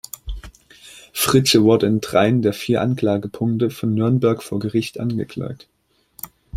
Fritzsche wurde in dreien der vier Anklagepunkte von Nürnberg vor Gericht angeklagt.